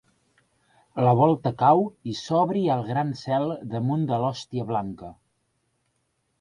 La volta cau i s’obri el gran cel damunt de l’hòstia blanca.